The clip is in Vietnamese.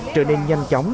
trở nên nhanh chóng